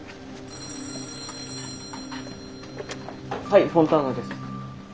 ☎はいフォンターナです。